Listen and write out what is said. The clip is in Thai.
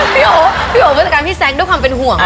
พี่โอ๋พี่โอผู้จัดการพี่แซ็กด้วยความเป็นห่วง